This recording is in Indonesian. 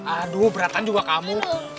aduh beratan juga kamu